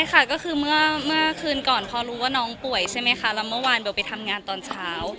ใช่ค่ะก็คือเมื่อคืนก่อนพอรู้ว่าน้องป่วยใช่ไหมคะแล้วเมื่อวานเบลไปทำงานตอนเช้า